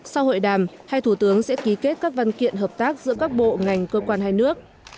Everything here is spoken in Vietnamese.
sau hội đàm hai thủ tướng sẽ ký kết các văn kiện hợp tác giữa các bộ ngành cơ quan hai nước